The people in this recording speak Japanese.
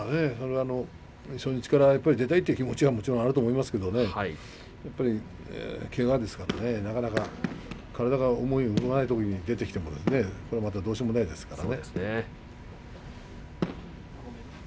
初日から出たいという気持ちはもちろんあると思いますがけがですからなかなか体が思うように動かないときに出てきてもしょうがありませんからね。